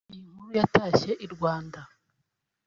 Iyi nkuru yatashye i Rwanda